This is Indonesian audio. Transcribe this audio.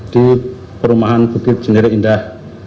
di perumahan bukit jenderek indah